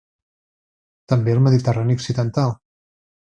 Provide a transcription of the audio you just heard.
També al Mediterrani Occidental.